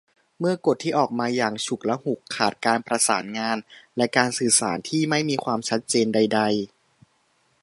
เมื่อกฎที่ออกมาอย่างฉุกละหุก ขาดการประสานงาน และการสื่อสารที่ไม่มีความชัดเจนใดใด